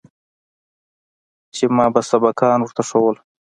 چې ما به سبقان ورته ښوول.